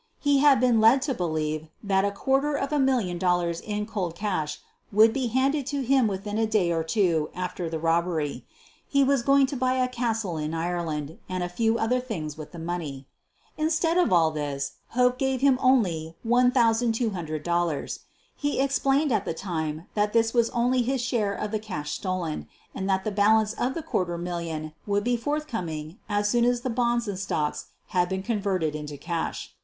He had been led to believe that a quarter of a million dollars in cold cash would be handed to him within a day or two after the rob bery. He was going to buy a castle in Ireland and a few other things with the money. Instead of all this, Hope gave him only $1,200. He explained at the time that this was only his share of the cash stolen, and that the balance of the quarter million would be forthcoming as soon as the bonds and stocks had been converted into cash.